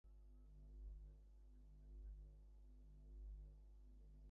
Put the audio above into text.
শুনে ভয় পেও না, আমার আঁশওয়ালা বন্ধু।